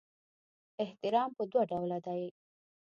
احترام په دوه ډوله دی.